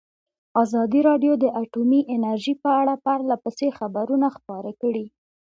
ازادي راډیو د اټومي انرژي په اړه پرله پسې خبرونه خپاره کړي.